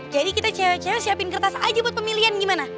jadi kita cewek cewek siapin kertas aja buat pemilihan gimana